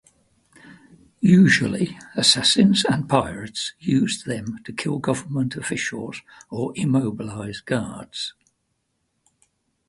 Usually, assassins and pirates used them to kill government officials or immobilize guards.